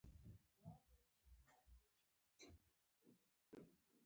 بل پلو المارۍ وه.